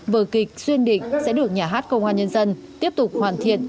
vở kịch xuyên định sẽ được nhà hát công an nhân dân tiếp tục hoàn thiện